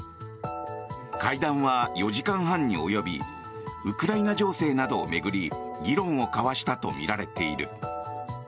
会談は４時間半に及びウクライナ情勢などを巡り議論を交わしたとみられている。